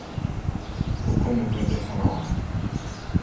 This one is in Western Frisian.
Hoe komme we derfan ôf?